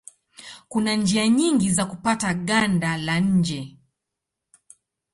Kuna njia nyingi za kupata ganda la nje.